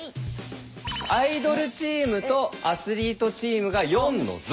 アイドルチームとアスリートチームが４の「象」。